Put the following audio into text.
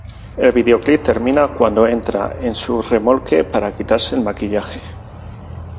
El videoclip termina cuando entra en su remolque para quitarse el maquillaje.